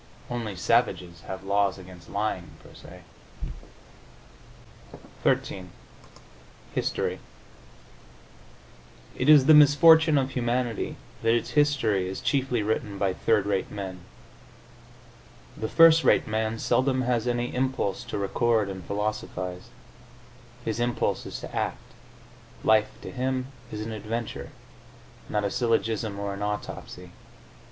Only savages have laws against lying per se. XIII HISTORY It is the misfortune of humanity that its history is chiefly written by third rate men. The first rate man seldom has any impulse to record and philosophise; his impulse is to act; life, to him, is an adventure, not a syllogism or an autopsy.